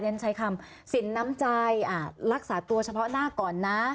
ฉันใช้คำสินน้ำใจรักษาตัวเฉพาะหน้าก่อนนะ